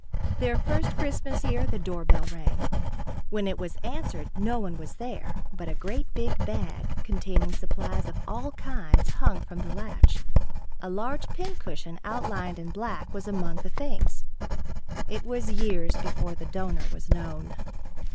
Their first Christmas here, the doorbell rang. When it was answered, no one was there, but a great bag containing supplies of all kinds hung from the latch. A large pincushion outlined in black was among the things. It was years before the donor was known.